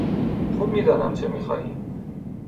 خوب میدانم چه میخواهی.